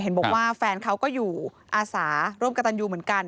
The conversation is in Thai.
เห็นบอกว่าแฟนเขาก็อยู่อาสาร่วมกับตันยูเหมือนกัน